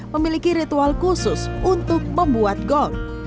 memiliki ritual khusus untuk membuat gol